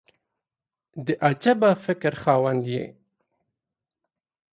د عجبه فکر خاوند یې !